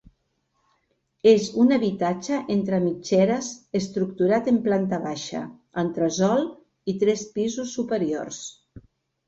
És un habitatge entre mitgeres estructurat en planta baixa, entresòl i tres pisos superiors.